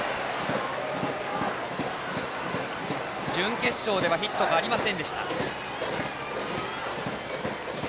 準決勝ではヒットがありませんでした。